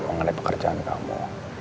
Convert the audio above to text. mengenai pekerjaan kamu